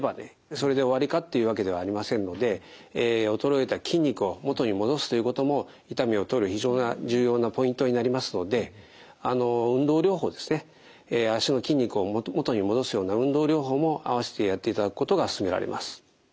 それで終わりかっていうわけではありませんので衰えた筋肉を元に戻すということも痛みを取る非常な重要なポイントになりますので運動療法ですね脚の筋肉を元に戻すような運動療法も併せてやっていただくことが勧められます。